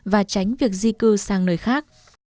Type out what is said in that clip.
và tránh việc di cư sang nơi khác